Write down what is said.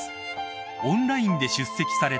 オンラインで出席された］